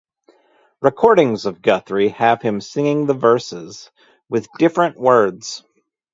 Recordings of Guthrie have him singing the verses with different words.